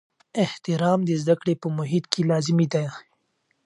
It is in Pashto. احترام د زده کړې په محیط کې لازمي دی.